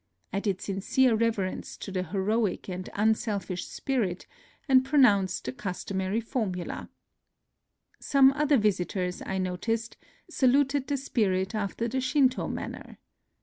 I did sincere reverence to the heroic and unselfish spirit, and pro nounced the customary formula. Some other visitors, I noticed, saluted the spirit after the 74 NOTES OF A TRIP TO KYOTO Shinto manner.